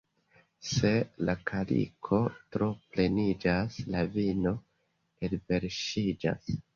Se la kaliko tro pleniĝas, la vino elverŝiĝas.